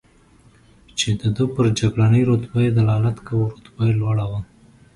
چې د ده پر جګړنۍ رتبه یې دلالت کاوه، رتبه یې لوړه وه.